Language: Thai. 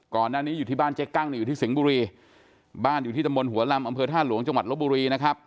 ก่อนหน้านี้อยู่ที่บ้านเจ๊กั้งเนี่ยอยู่ที่สิงห์บุรีบ้านอยู่ที่ตำบลหัวลำอำเภอท่าหลวงจังหวัดลบบุรีนะครับ